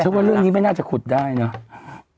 ว่าเรื่องนี้ไม่น่าจะขุดได้เนอะ